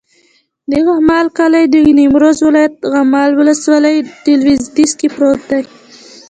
د غمال کلی د نیمروز ولایت، غمال ولسوالي په لویدیځ کې پروت دی.